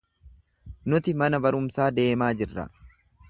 Nuti mana barumsaa deemaa jirra.